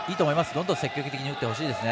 どんどん積極的に打ってほしいですね。